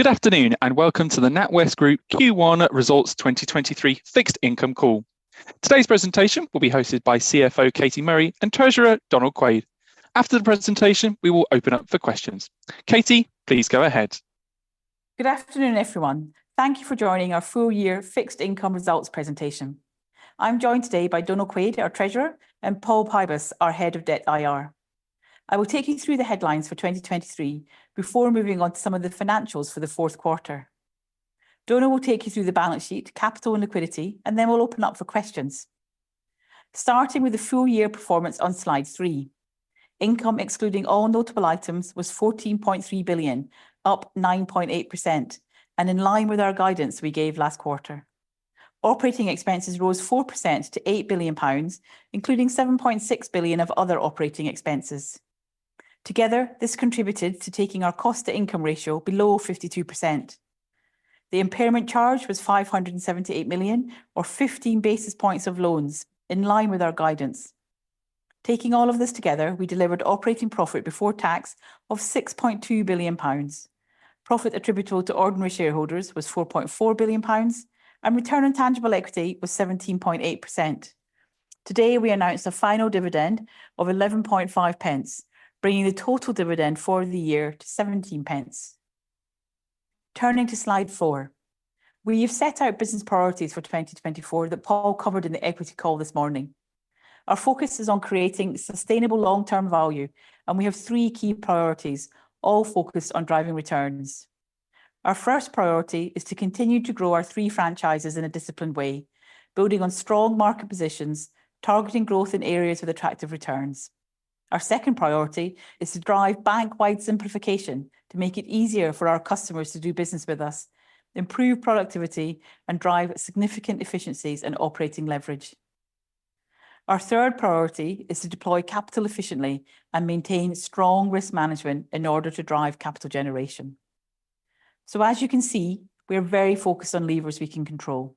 Good afternoon and welcome to the NatWest Group Q1 Results 2023 Fixed Income Call. Today's presentation will be hosted by CFO Katie Murray and Treasurer Donal Quaid. After the presentation, we will open up for questions. Katie, please go ahead. Good afternoon, everyone. Thank you for joining our full-year Fixed Income Results presentation. I'm joined today by Donal Quaid, our Treasurer, and Paul Pybus, our Head of Debt IR. I will take you through the headlines for 2023 before moving on to some of the financials for the fourth quarter. Donal will take you through the balance sheet, capital and liquidity, and then we'll open up for questions. Starting with the full-year performance on slide 3, income excluding all notable items was 14.3 billion, up 9.8%, and in line with our guidance we gave last quarter. Operating expenses rose 4% to 8 billion pounds, including 7.6 billion of other operating expenses. Together, this contributed to taking our cost-to-income ratio below 52%. The impairment charge was 578 million, or 15 basis points of loans, in line with our guidance. Taking all of this together, we delivered operating profit before tax of 6.2 billion pounds. Profit attributable to ordinary shareholders was 4.4 billion pounds, and return on tangible equity was 17.8%. Today we announced a final dividend of 0.11, bringing the total dividend for the year to 0.17. Turning to slide 4, we have set out business priorities for 2024 that Paul covered in the equity call this morning. Our focus is on creating sustainable long-term value, and we have three key priorities, all focused on driving returns. Our first priority is to continue to grow our three franchises in a disciplined way, building on strong market positions, targeting growth in areas with attractive returns. Our second priority is to drive bank-wide simplification to make it easier for our customers to do business with us, improve productivity, and drive significant efficiencies in operating leverage. Our third priority is to deploy capital efficiently and maintain strong risk management in order to drive capital generation. So, as you can see, we are very focused on levers we can control.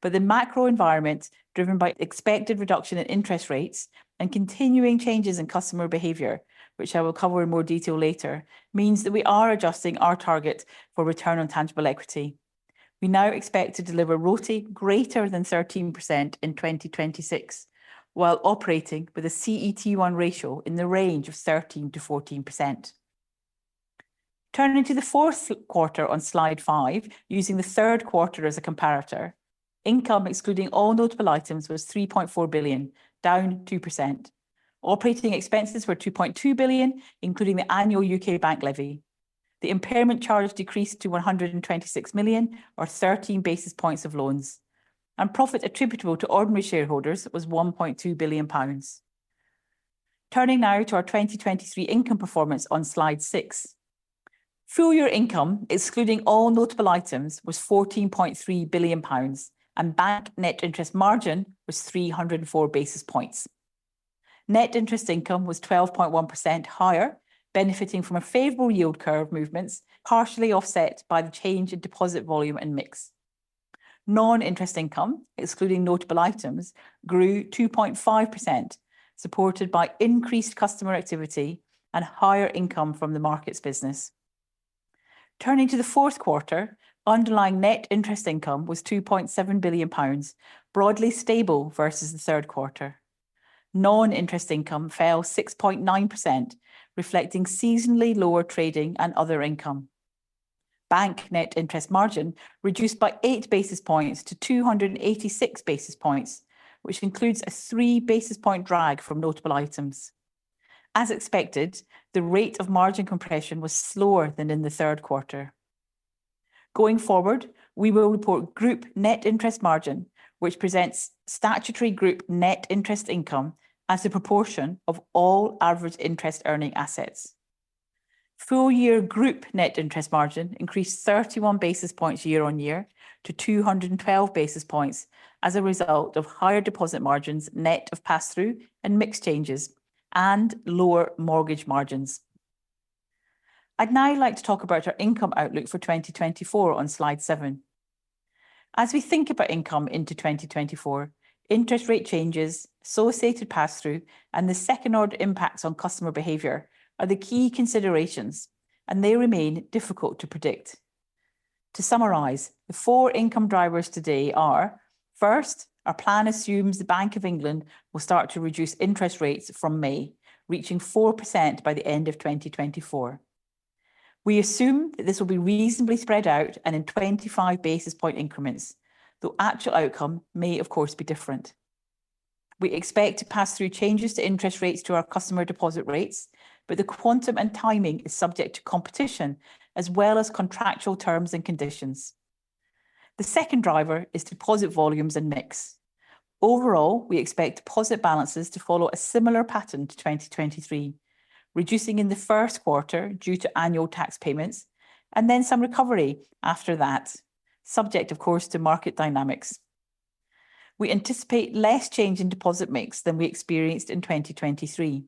But the macro environment, driven by expected reduction in interest rates and continuing changes in customer behavior, which I will cover in more detail later, means that we are adjusting our target for return on tangible equity. We now expect to deliver RoTE greater than 13% in 2026, while operating with a CET1 ratio in the range of 13%-14%. Turning to the fourth quarter on slide 5, using the third quarter as a comparator, income excluding all notable items was 3.4 billion, down 2%. Operating expenses were 2.2 billion, including the annual UK bank levy. The impairment charge decreased to 126 million, or 13 basis points of loans. Profit attributable to ordinary shareholders was 1.2 billion pounds. Turning now to our 2023 income performance on slide 6, full-year income excluding all notable items was 14.3 billion pounds, and bank net interest margin was 304 basis points. Net interest income was 12.1% higher, benefiting from a favorable yield curve movements, partially offset by the change in deposit volume and mix. Non-interest income, excluding notable items, grew 2.5%, supported by increased customer activity and higher income from the Markets business. Turning to the fourth quarter, underlying net interest income was 2.7 billion pounds, broadly stable versus the third quarter. Non-interest income fell 6.9%, reflecting seasonally lower trading and other income. Bank net interest margin reduced by 8 basis points to 286 basis points, which includes a 3 basis point drag from notable items. As expected, the rate of margin compression was slower than in the third quarter. Going forward, we will report group net interest margin, which presents statutory group net interest income as the proportion of all average interest-earning assets. Full-year group net interest margin increased 31 basis points year-on-year to 212 basis points as a result of higher deposit margins net of pass-through and mix changes, and lower mortgage margins. I'd now like to talk about our income outlook for 2024 on slide 7. As we think about income into 2024, interest rate changes, associated pass-through, and the second-order impacts on customer behavior are the key considerations, and they remain difficult to predict. To summarize, the four income drivers today are: first, our plan assumes the Bank of England will start to reduce interest rates from May, reaching 4% by the end of 2024. We assume that this will be reasonably spread out and in 25 basis point increments, though actual outcome may, of course, be different. We expect to pass through changes to interest rates to our customer deposit rates, but the quantum and timing is subject to competition, as well as contractual terms and conditions. The second driver is deposit volumes and mix. Overall, we expect deposit balances to follow a similar pattern to 2023, reducing in the first quarter due to annual tax payments, and then some recovery after that, subject, of course, to market dynamics. We anticipate less change in deposit mix than we experienced in 2023.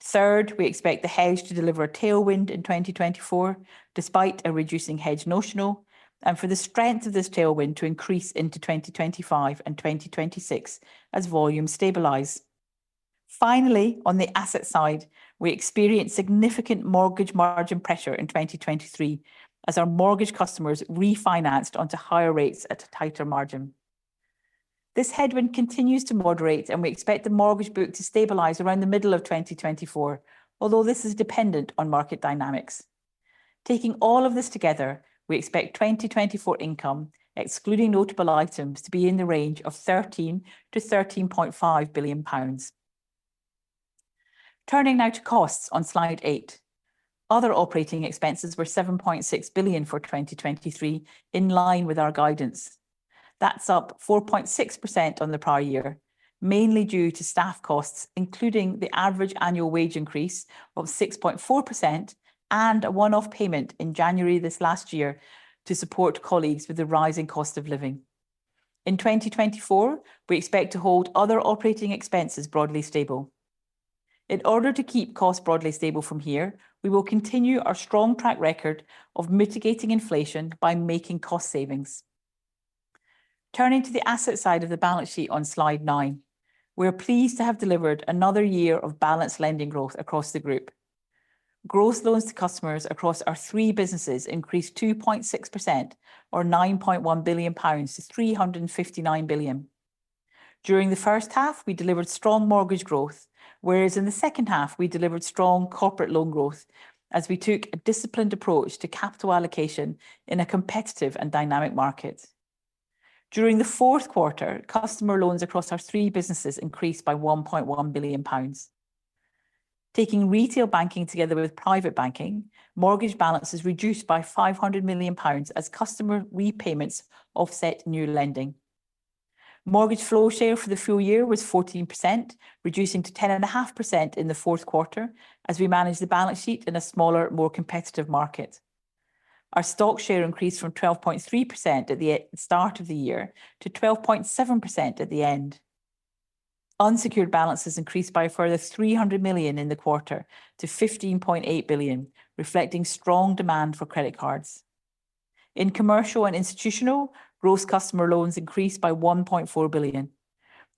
Third, we expect the hedge to deliver a tailwind in 2024, despite a reducing hedge notional, and for the strength of this tailwind to increase into 2025 and 2026 as volumes stabilize. Finally, on the asset side, we experience significant mortgage margin pressure in 2023, as our mortgage customers refinanced onto higher rates at a tighter margin. This headwind continues to moderate, and we expect the mortgage book to stabilize around the middle of 2024, although this is dependent on market dynamics. Taking all of this together, we expect 2024 income, excluding notable items, to be in the range of 13 billion-13.5 billion pounds. Turning now to costs on slide 8, other operating expenses were 7.6 billion for 2023, in line with our guidance. That's up 4.6% on the prior year, mainly due to staff costs, including the average annual wage increase of 6.4% and a one-off payment in January this last year to support colleagues with the rising cost of living. In 2024, we expect to hold other operating expenses broadly stable. In order to keep costs broadly stable from here, we will continue our strong track record of mitigating inflation by making cost savings. Turning to the asset side of the balance sheet on slide 9, we are pleased to have delivered another year of balanced lending growth across the group. Growth loans to customers across our three businesses increased 2.6%, or 9.1 billion pounds, to 359 billion. During the first half, we delivered strong mortgage growth, whereas in the second half, we delivered strong corporate loan growth as we took a disciplined approach to capital allocation in a competitive and dynamic market. During the fourth quarter, customer loans across our three businesses increased by 1.1 billion pounds. Taking retail banking together with private banking, mortgage balances reduced by 500 million pounds as customer repayments offset new lending. Mortgage flow share for the full year was 14%, reducing to 10.5% in the fourth quarter as we managed the balance sheet in a smaller, more competitive market. Our stock share increased from 12.3% at the start of the year to 12.7% at the end. Unsecured balances increased by a further 300 million in the quarter to 15.8 billion, reflecting strong demand for credit cards. In commercial and institutional, gross customer loans increased by 1.4 billion.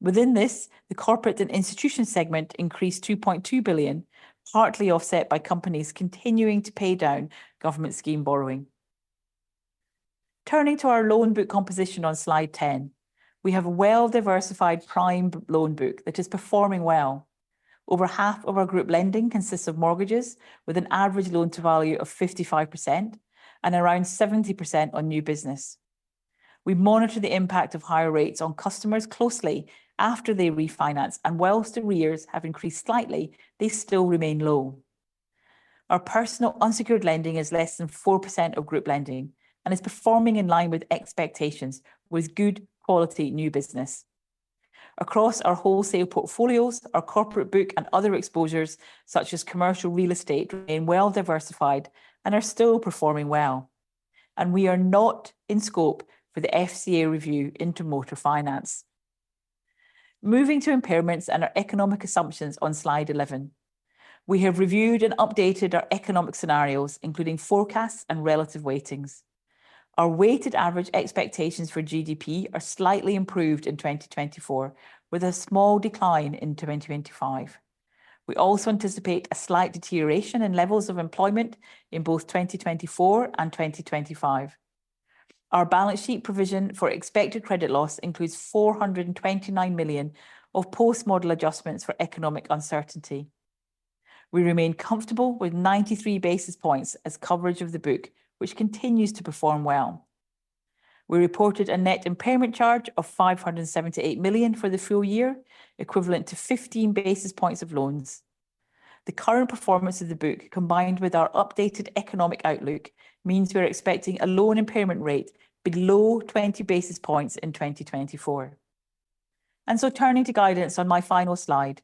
Within this, the corporate and institution segment increased 2.2 billion, partly offset by companies continuing to pay down government scheme borrowing. Turning to our loan book composition on slide 10, we have a well-diversified prime loan book that is performing well. Over half of our group lending consists of mortgages, with an average loan-to-value of 55% and around 70% on new business. We monitor the impact of higher rates on customers closely after they refinance, and while the arrears have increased slightly, they still remain low. Our personal unsecured lending is less than 4% of group lending and is performing in line with expectations, with good quality new business. Across our wholesale portfolios, our corporate book and other exposures, such as commercial real estate, remain well-diversified and are still performing well. We are not in scope for the FCA review into motor finance. Moving to impairments and our economic assumptions on slide 11, we have reviewed and updated our economic scenarios, including forecasts and relative weightings. Our weighted average expectations for GDP are slightly improved in 2024, with a small decline in 2025. We also anticipate a slight deterioration in levels of employment in both 2024 and 2025. Our balance sheet provision for expected credit loss includes 429 million of post-model adjustments for economic uncertainty. We remain comfortable with 93 basis points as coverage of the book, which continues to perform well. We reported a net impairment charge of 578 million for the full year, equivalent to 15 basis points of loans. The current performance of the book, combined with our updated economic outlook, means we are expecting a loan impairment rate below 20 basis points in 2024. And so, turning to guidance on my final slide,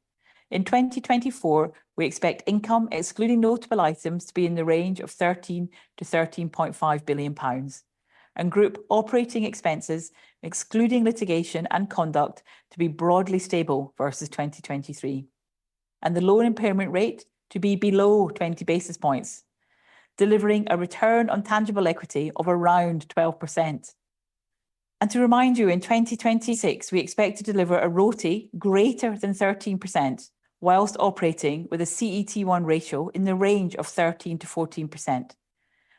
in 2024, we expect income excluding notable items to be in the range of 13 billion-13.5 billion pounds, and group operating expenses excluding litigation and conduct to be broadly stable versus 2023, and the loan impairment rate to be below 20 basis points, delivering a return on tangible equity of around 12%. To remind you, in 2026, we expect to deliver a RoTE greater than 13%, while operating with a CET1 ratio in the range of 13%-14%.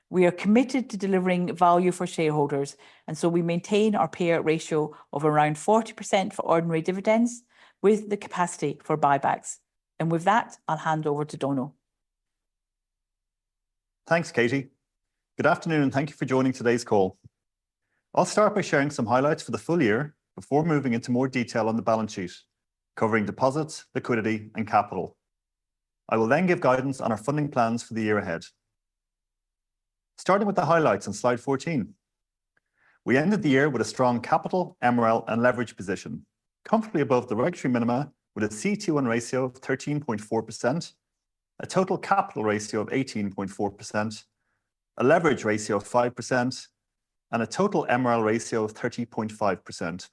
We are committed to delivering value for shareholders, and so we maintain our payout ratio of around 40% for ordinary dividends, with the capacity for buybacks. With that, I'll hand over to Donal. Thanks, Katie. Good afternoon, and thank you for joining today's call. I'll start by sharing some highlights for the full year before moving into more detail on the balance sheet, covering deposits, liquidity, and capital. I will then give guidance on our funding plans for the year ahead. Starting with the highlights on slide 14, we ended the year with a strong capital, MREL, and leverage position, comfortably above the regulatory minima, with a CET1 ratio of 13.4%, a total capital ratio of 18.4%, a leverage ratio of 5%, and a total MREL ratio of 30.5%.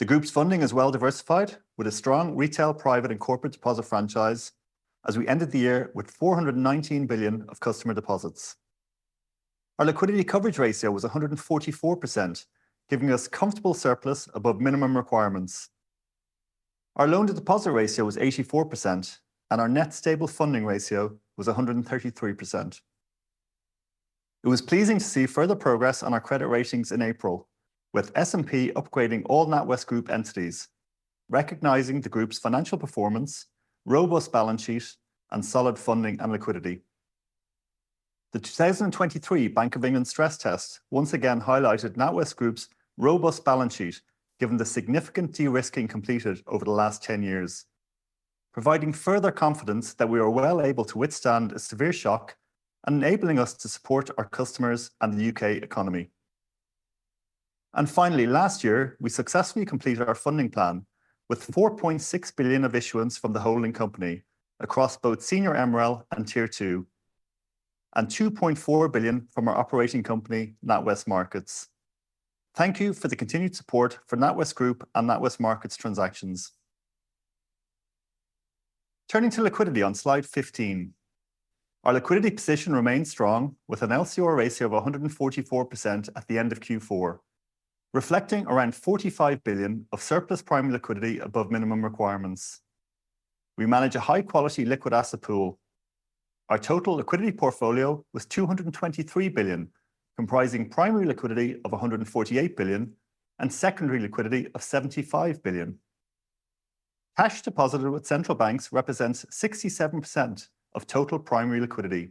The group's funding is well-diversified, with a strong retail, private, and corporate deposit franchise, as we ended the year with 419 billion of customer deposits. Our liquidity coverage ratio was 144%, giving us comfortable surplus above minimum requirements. Our loan-to-deposit ratio was 84%, and our net stable funding ratio was 133%. It was pleasing to see further progress on our credit ratings in April, with S&P upgrading all NatWest Group entities, recognizing the group's financial performance, robust balance sheet, and solid funding and liquidity. The 2023 Bank of England stress test once again highlighted NatWest Group's robust balance sheet, given the significant de-risking completed over the last 10 years, providing further confidence that we are well able to withstand a severe shock and enabling us to support our customers and the UK economy. And finally, last year, we successfully completed our funding plan with 4.6 billion of issuance from the holding company across both senior MREL and tier 2, and 2.4 billion from our operating company, NatWest Markets. Thank you for the continued support for NatWest Group and NatWest Markets transactions. Turning to liquidity on slide 15, our liquidity position remains strong, with an LCR of 144% at the end of Q4, reflecting around 45 billion of surplus prime liquidity above minimum requirements. We manage a high-quality liquid asset pool. Our total liquidity portfolio was 223 billion, comprising primary liquidity of 148 billion and secondary liquidity of 75 billion. Cash deposited with central banks represents 67% of total primary liquidity.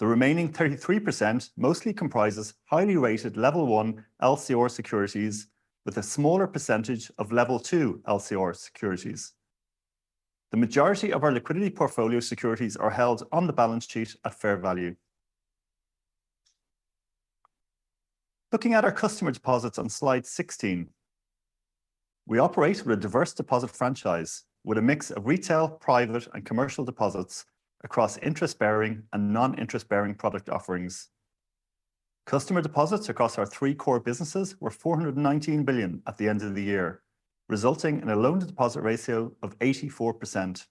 The remaining 33% mostly comprises highly rated level one LCR securities, with a smaller percentage of level two LCR securities. The majority of our liquidity portfolio securities are held on the balance sheet at fair value. Looking at our customer deposits on slide 16, we operate with a diverse deposit franchise, with a mix of retail, private, and commercial deposits across interest-bearing and non-interest-bearing product offerings. Customer deposits across our three core businesses were 419 billion at the end of the year, resulting in a loan-to-deposit ratio of 84%.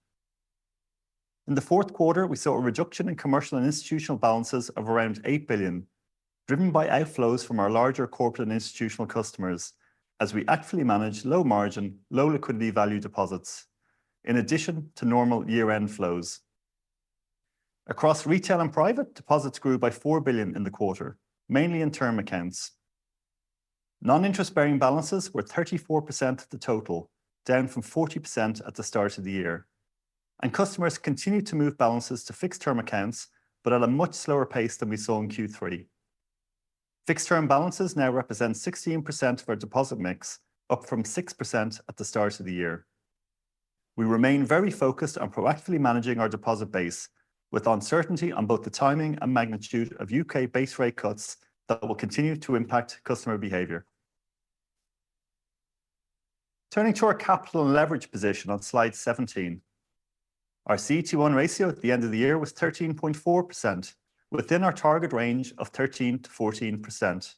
In the fourth quarter, we saw a reduction in commercial and institutional balances of around 8 billion, driven by outflows from our larger corporate and institutional customers, as we actively manage low-margin, low-liquidity value deposits, in addition to normal year-end flows. Across retail and private, deposits grew by 4 billion in the quarter, mainly in term accounts. Non-interest-bearing balances were 34% of the total, down from 40% at the start of the year. Customers continue to move balances to fixed-term accounts, but at a much slower pace than we saw in Q3. Fixed-term balances now represent 16% of our deposit mix, up from 6% at the start of the year. We remain very focused on proactively managing our deposit base, with uncertainty on both the timing and magnitude of UK base rate cuts that will continue to impact customer behavior. Turning to our capital and leverage position on slide 17, our CET1 ratio at the end of the year was 13.4%, within our target range of 13%-14%.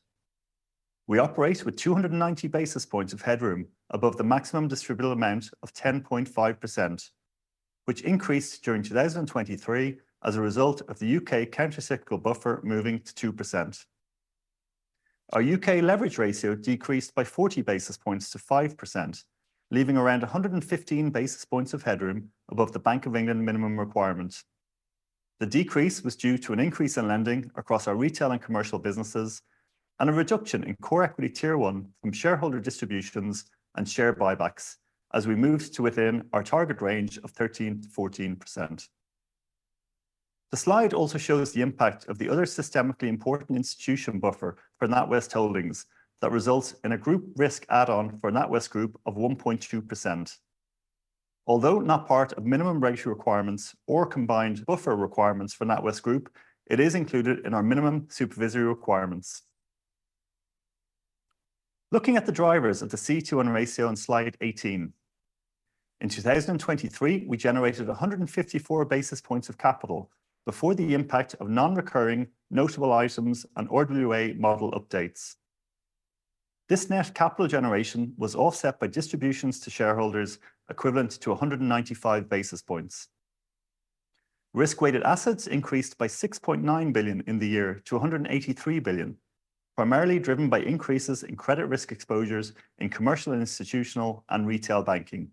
We operate with 290 basis points of headroom above the maximum distributable amount of 10.5%, which increased during 2023 as a result of the U.K. countercyclical buffer moving to 2%. Our U.K. leverage ratio decreased by 40 basis points to 5%, leaving around 115 basis points of headroom above the Bank of England minimum requirement. The decrease was due to an increase in lending across our retail and commercial businesses and a reduction in CET1 from shareholder distributions and share buybacks, as we moved to within our target range of 13%-14%. The slide also shows the impact of the Other Systemically Important Institution buffer for NatWest Holdings that results in a group risk add-on for NatWest Group of 1.2%. Although not part of minimum ratio requirements or combined buffer requirements for NatWest Group, it is included in our minimum supervisory requirements. Looking at the drivers of the CET1 ratio on slide 18, in 2023, we generated 154 basis points of capital before the impact of non-recurring notable items and ordinary model updates. This net capital generation was offset by distributions to shareholders equivalent to 195 basis points. Risk-weighted assets increased by 6.9 billion in the year to 183 billion, primarily driven by increases in credit risk exposures in commercial, institutional, and retail banking.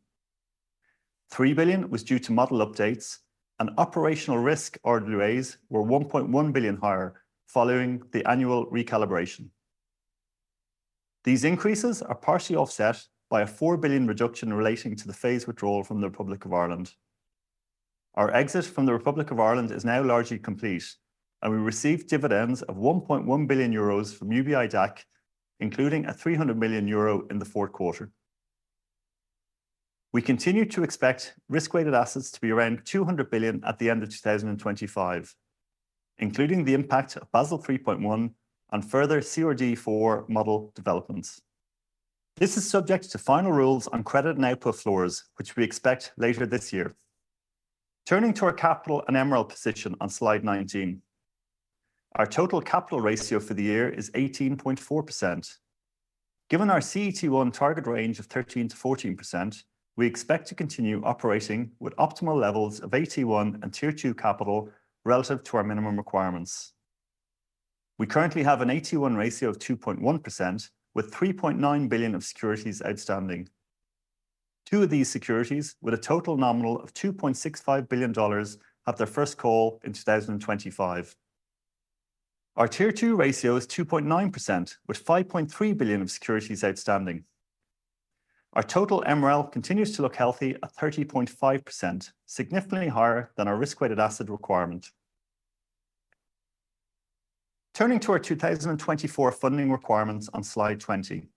3 billion was due to model updates, and operational risk RWAs were 1.1 billion higher following the annual recalibration. These increases are partially offset by a 4 billion reduction relating to the phase withdrawal from the Republic of Ireland. Our exit from the Republic of Ireland is now largely complete, and we received dividends of 1.1 billion euros from UBI DAC, including a 300 million euro in the fourth quarter. We continue to expect risk-weighted assets to be around 200 billion at the end of 2025, including the impact of Basel 3.1 and further CRD 4 model developments. This is subject to final rules on credit and output floors, which we expect later this year. Turning to our capital and MREL position on slide 19, our total capital ratio for the year is 18.4%. Given our CET1 target range of 13%-14%, we expect to continue operating with optimal levels of AT1 and Tier 2 capital relative to our minimum requirements. We currently have an AT1 ratio of 2.1%, with 3.9 billion of securities outstanding. Two of these securities, with a total nominal of $2.65 billion, have their first call in 2025. Our tier 2 ratio is 2.9%, with 5.3 billion of securities outstanding. Our total MREL continues to look healthy at 30.5%, significantly higher than our risk-weighted asset requirement. Turning to our 2024 funding requirements on slide 20,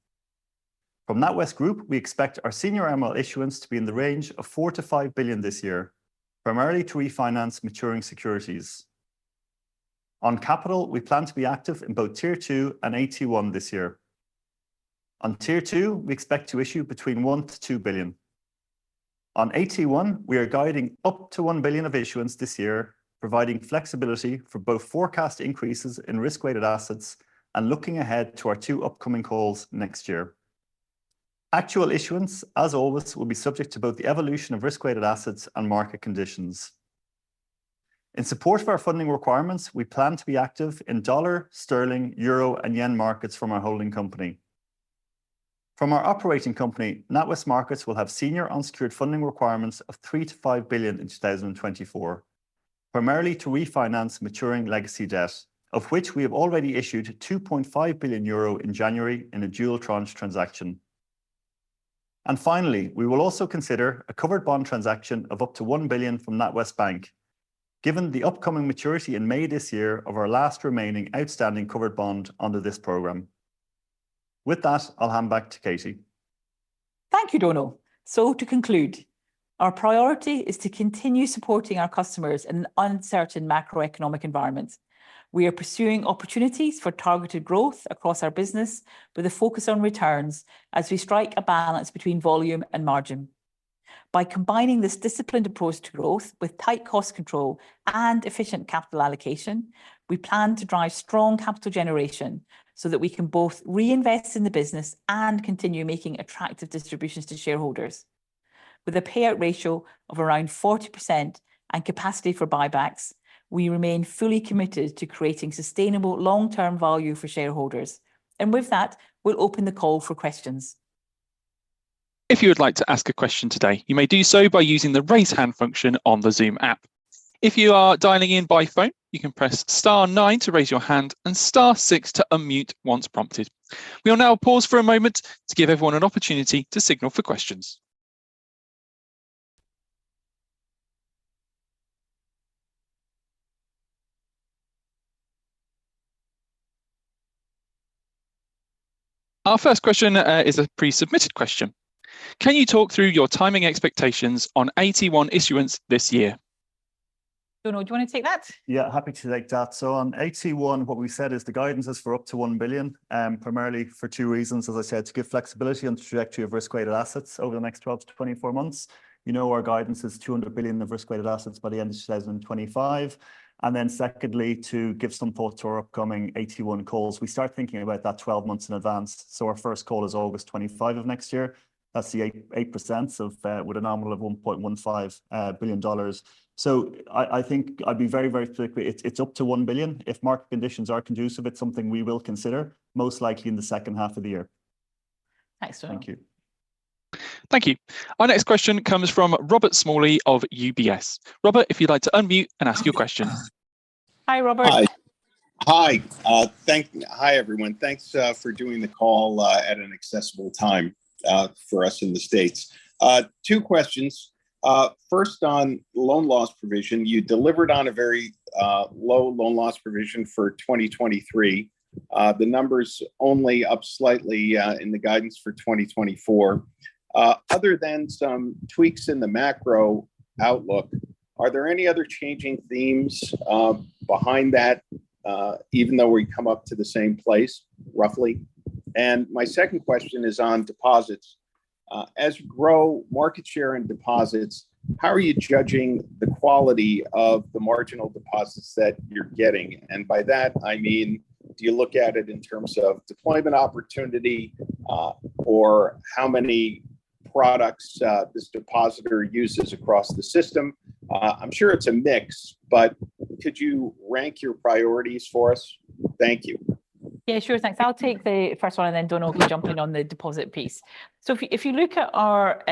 from NatWest Group, we expect our senior MREL issuance to be in the range of 4 billion-5 billion this year, primarily to refinance maturing securities. On capital, we plan to be active in both tier 2 and AT1 this year. On tier 2, we expect to issue between 1 billion-2 billion. On AT1, we are guiding up to 1 billion of issuance this year, providing flexibility for both forecast increases in risk-weighted assets and looking ahead to our two upcoming calls next year. Actual issuance, as always, will be subject to both the evolution of risk-weighted assets and market conditions. In support of our funding requirements, we plan to be active in dollar, sterling, euro, and yen markets from our holding company. From our operating company, NatWest Markets will have senior unsecured funding requirements of 3 billion-5 billion in 2024, primarily to refinance maturing legacy debt, of which we have already issued 2.5 billion euro in January in a dual tranche transaction. And finally, we will also consider a covered bond transaction of up to 1 billion from NatWest Bank, given the upcoming maturity in May this year of our last remaining outstanding covered bond under this program. With that, I'll hand back to Katie. Thank you, Donal. So, to conclude, our priority is to continue supporting our customers in an uncertain macroeconomic environment. We are pursuing opportunities for targeted growth across our business, with a focus on returns as we strike a balance between volume and margin. By combining this disciplined approach to growth with tight cost control and efficient capital allocation, we plan to drive strong capital generation so that we can both reinvest in the business and continue making attractive distributions to shareholders. With a payout ratio of around 40% and capacity for buybacks, we remain fully committed to creating sustainable long-term value for shareholders. And with that, we'll open the call for questions. If you would like to ask a question today, you may do so by using the raise hand function on the Zoom app. If you are dialing in by phone, you can press star 9 to raise your hand and star 6 to unmute once prompted. We will now pause for a moment to give everyone an opportunity to signal for questions. Our first question is a pre-submitted question. Can you talk through your timing expectations on AT1 issuance this year? Donal, do you want to take that? Yeah, happy to take that. So, on AT1, what we said is the guidance is for up to 1 billion, primarily for two reasons, as I said, to give flexibility on the trajectory of risk-weighted assets over the next 12-24 months. You know, our guidance is 200 billion of risk-weighted assets by the end of 2025. And then, secondly, to give some thought to our upcoming AT1 calls. We start thinking about that 12 months in advance. So, our first call is August 25 of next year. That's the 8% with a nominal of $1.15 billion. So, I think I'd be very, very specific. It's up to 1 billion. If market conditions are conducive, it's something we will consider, most likely in the second half of the year. Thanks, Donal. Thank you. Thank you. Our next question comes from Robert Smalley of UBS. Robert, if you'd like to unmute and ask your question. Hi, Robert. Hi. Thank you. Hi, everyone. Thanks for doing the call at an accessible time for us in the States. Two questions. First, on loan loss provision, you delivered on a very low loan loss provision for 2023. The numbers only up slightly in the guidance for 2024. Other than some tweaks in the macro outlook, are there any other changing themes behind that, even though we come up to the same place, roughly? And my second question is on deposits. As you grow market share in deposits, how are you judging the quality of the marginal deposits that you're getting? And by that, I mean, do you look at it in terms of deployment opportunity or how many products this depositor uses across the system? I'm sure it's a mix, but could you rank your priorities for us? Thank you. Yeah, sure. Thanks. I'll take the first one, and then Donal will be jumping on the deposit piece. So, if you look at our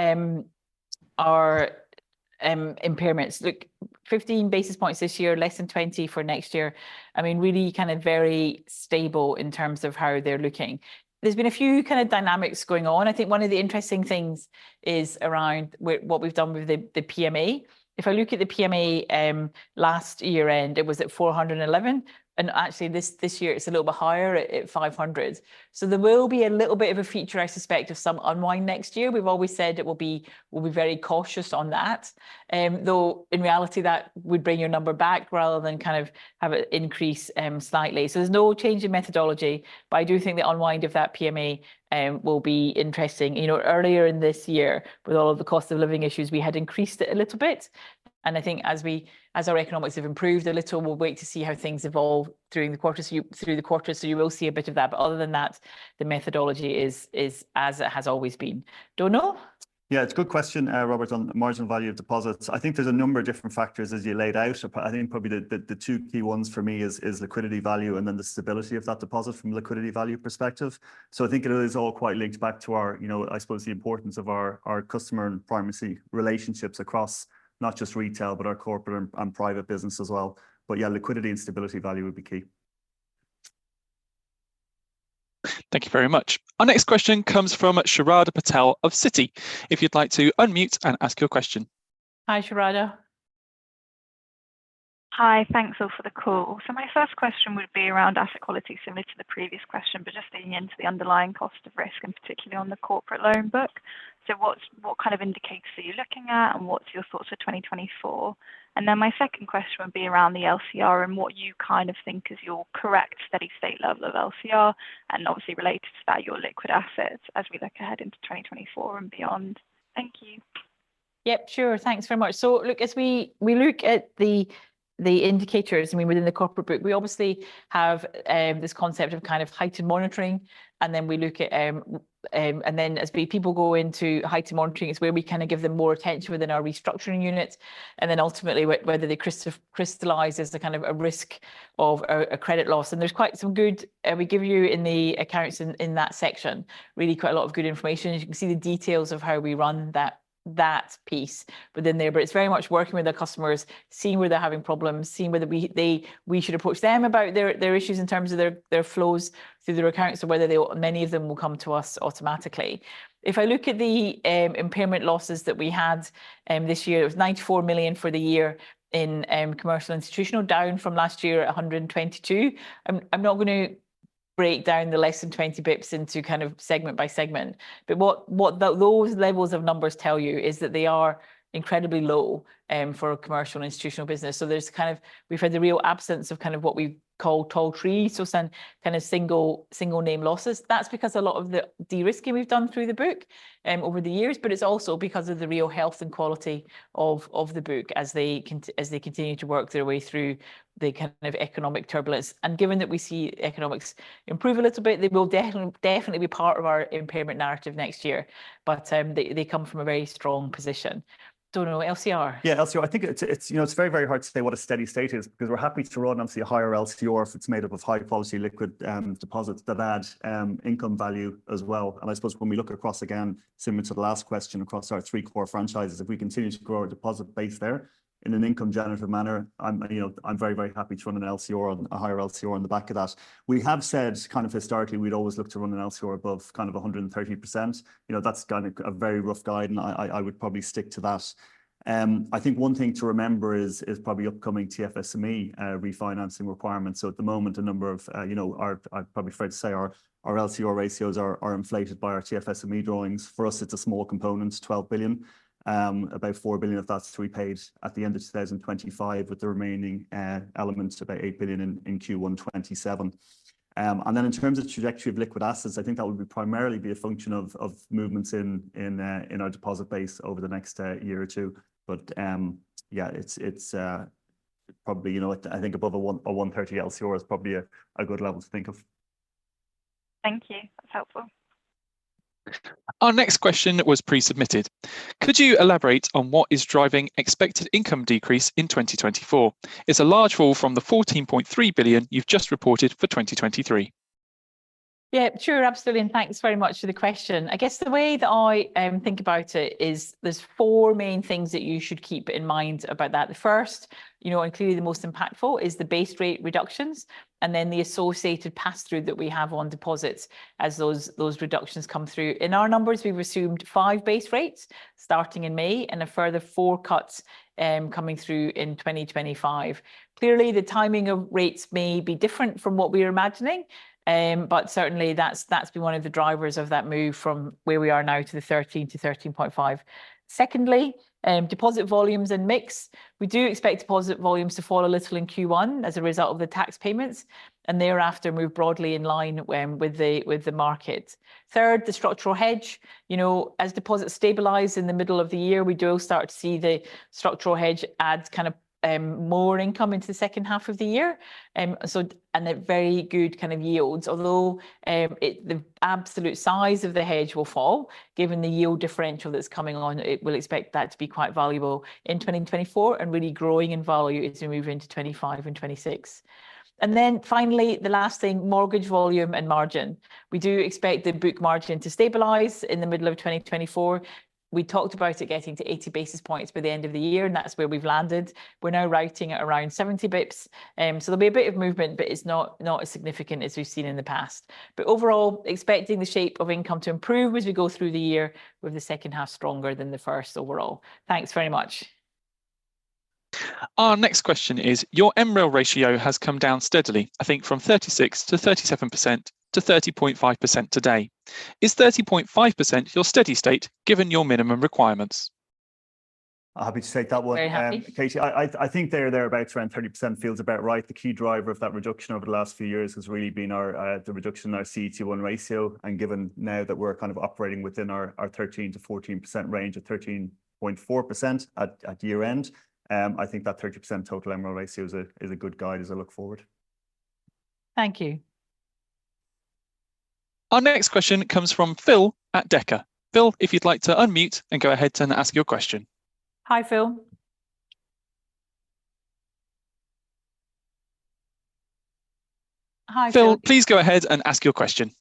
impairments, look, 15 basis points this year, less than 20 for next year. I mean, really kind of very stable in terms of how they're looking. There's been a few kind of dynamics going on. I think one of the interesting things is around what we've done with the PMA. If I look at the PMA last year-end, it was at 411. And actually, this year it's a little bit higher at 500. So, there will be a little bit of a feature, I suspect, of some unwind next year. We've always said it will be very cautious on that, though in reality, that would bring your number back rather than kind of have it increase slightly. So, there's no change in methodology. But I do think the unwind of that PMA will be interesting. Earlier in this year, with all of the cost of living issues, we had increased it a little bit. And I think as our economics have improved a little, we'll wait to see how things evolve through the quarter. So, you will see a bit of that. But other than that, the methodology is as it has always been. Donal? Yeah, it's a good question, Robert, on marginal value of deposits. I think there's a number of different factors, as you laid out. I think probably the two key ones for me is liquidity value, and then the stability of that deposit from a liquidity value perspective. So, I think it is all quite linked back to our, I suppose, the importance of our customer and primacy relationships across not just retail, but our corporate and private business as well. But yeah, liquidity and stability value would be key. Thank you very much. Our next question comes from Sharada Patel of Citi. If you'd like to unmute and ask your question. Hi, Sharada. Hi. Thanks, all, for the call. So, my first question would be around asset quality, similar to the previous question, but just digging into the underlying cost of risk, and particularly on the corporate loan book. So, what kind of indicators are you looking at, and what's your thoughts for 2024? And then my second question would be around the LCR and what you kind of think is your correct steady state level of LCR, and obviously related to that, your liquid assets as we look ahead into 2024 and beyond. Thank you. Yep, sure. Thanks very much. So, look, as we look at the indicators, I mean, within the corporate book, we obviously have this concept of kind of heightened monitoring. And then we look at, and then as people go into heightened monitoring, it's where we kind of give them more attention within our restructuring units. And then ultimately, whether they crystallize as kind of a risk of a credit loss. And there's quite some good, we give you in the accounts in that section, really quite a lot of good information. You can see the details of how we run that piece within there. But it's very much working with our customers, seeing where they're having problems, seeing whether we should approach them about their issues in terms of their flows through the restructuring, or whether many of them will come to us automatically. If I look at the impairment losses that we had this year, it was 94 million for the year in commercial institutional, down from last year at 122 million. I'm not going to break down the less than 20 basis points into kind of segment by segment. But what those levels of numbers tell you is that they are incredibly low for a commercial and institutional business. So, there's kind of, we've had the real absence of kind of what we call tall trees, so some kind of single name losses. That's because a lot of the de-risking we've done through the book over the years, but it's also because of the real health and quality of the book as they continue to work their way through the kind of economic turbulence. Given that we see economics improve a little bit, they will definitely be part of our impairment narrative next year. They come from a very strong position. Donal, LCR? Yeah, LCR. I think it's very, very hard to say what a steady state is, because we're happy to run obviously a higher LCR if it's made up of high-quality liquid deposits that add income value as well. And I suppose when we look across again, similar to the last question, across our three core franchises, if we continue to grow our deposit base there in an income-generative manner, I'm very, very happy to run an LCR, a higher LCR on the back of that. We have said kind of historically we'd always look to run an LCR above kind of 130%. That's kind of a very rough guide. And I would probably stick to that. I think one thing to remember is probably upcoming TFSME refinancing requirements. So, at the moment, a number of, I'm afraid to say, our LCR ratios are inflated by our TFSME drawings. For us, it's a small component, $12 billion. About $4 billion, if that's prepaid, at the end of 2025, with the remaining elements about $8 billion in Q1 2027. And then in terms of trajectory of liquid assets, I think that would primarily be a function of movements in our deposit base over the next year or two. But yeah, it's probably, I think, above a 130 LCR is probably a good level to think of. Thank you. That's helpful. Our next question was pre-submitted. Could you elaborate on what is driving expected income decrease in 2024? It's a large fall from the $14.3 billion you've just reported for 2023. Yeah, sure, absolutely. And thanks very much for the question. I guess the way that I think about it is there's 4 main things that you should keep in mind about that. The first, including the most impactful, is the base rate reductions, and then the associated pass-through that we have on deposits as those reductions come through. In our numbers, we've assumed 5 base rates starting in May and a further 4 cuts coming through in 2025. Clearly, the timing of rates may be different from what we were imagining. But certainly, that's been one of the drivers of that move from where we are now to the 13-13.5. Secondly, deposit volumes and mix. We do expect deposit volumes to fall a little in Q1 as a result of the tax payments, and thereafter move broadly in line with the market. Third, the structural hedge. As deposits stabilize in the middle of the year, we do start to see the structural hedge add kind of more income into the second half of the year. So, and very good kind of yields, although the absolute size of the hedge will fall. Given the yield differential that's coming on, we'll expect that to be quite valuable in 2024, and really growing in value as we move into 2025 and 2026. And then finally, the last thing, mortgage volume and margin. We do expect the book margin to stabilize in the middle of 2024. We talked about it getting to 80 basis points by the end of the year, and that's where we've landed. We're now running it around 70 basis points. So, there'll be a bit of movement, but it's not as significant as we've seen in the past. But overall, expecting the shape of income to improve as we go through the year, with the second half stronger than the first overall. Thanks very much. Our next question is, your MREL ratio has come down steadily, I think, from 36%-37% to 30.5% today. Is 30.5% your steady state, given your minimum requirements? I'm happy to take that one. Very happy. Katie, I think they're thereabouts around 30% feels about right. The key driver of that reduction over the last few years has really been the reduction in our CET1 ratio. Given now that we're kind of operating within our 13%-14% range of 13.4% at year-end, I think that 30% total MREL ratio is a good guide as I look forward. Thank you. Our next question comes from Phil at Deka. Phil, if you'd like to unmute and go ahead and ask your question. Hi, Phil. Hi, Phil. Phil, please go ahead and ask your question.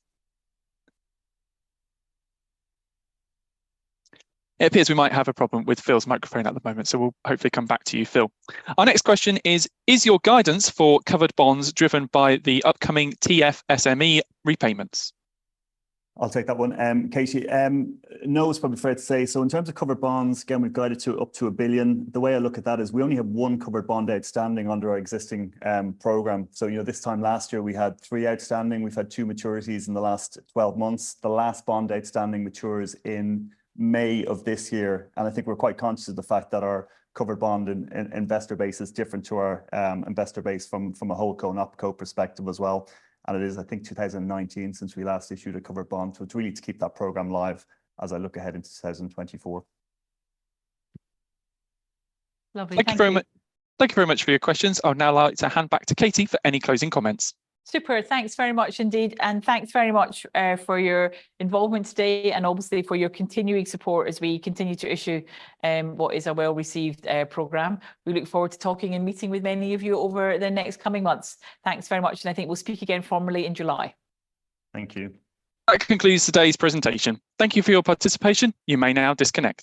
It appears we might have a problem with Phil's microphone at the moment, so we'll hopefully come back to you, Phil. Our next question is, is your guidance for covered bonds driven by the upcoming TFSME repayments? I'll take that one. Katie, Noah's probably afraid to say. So, in terms of covered bonds, again, we've guided to up to 1 billion. The way I look at that is we only have 1 covered bond outstanding under our existing program. So, this time last year, we had 3 outstanding. We've had 2 maturities in the last 12 months. The last bond outstanding matures in May of this year. And I think we're quite conscious of the fact that our covered bond investor base is different to our investor base from a HoldCo and OpCo perspective as well. And it is, I think, 2019 since we last issued a covered bond. So, it's really to keep that program live as I look ahead into 2024. Lovely. Thank you very much. Thank you very much for your questions. I'll now like to hand back to Katie for any closing comments. Super. Thanks very much, indeed. Thanks very much for your involvement today, and obviously for your continuing support as we continue to issue what is a well-received program. We look forward to talking and meeting with many of you over the next coming months. Thanks very much. I think we'll speak again formally in July. Thank you. That concludes today's presentation. Thank you for your participation. You may now disconnect.